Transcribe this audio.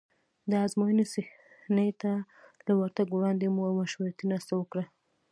د ازموینې صحنې ته له ورتګ وړاندې مو مشورتي ناسته وکړه.